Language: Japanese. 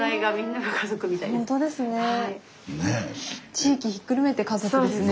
地域ひっくるめて家族ですね。